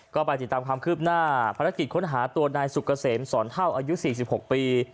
ก็ไปติดตามความคืบหน้าภารกิจค้นหาตัวนายสุกเกษมสอนเท่าอายุ๔๖ปี